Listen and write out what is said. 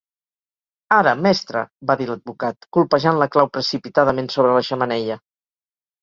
"Ara, mestra", va dir l'advocat, colpejant la clau precipitadament sobre la xemeneia.